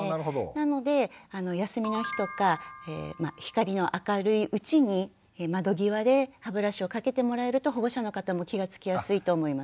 なので休みの日とか光の明るいうちに窓際で歯ブラシをかけてもらえると保護者の方も気が付きやすいと思います。